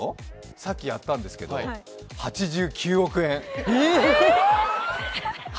さっきやったんですけど、８９億円。